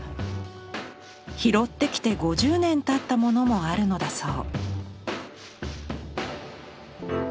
拾ってきて５０年たったものもあるのだそう。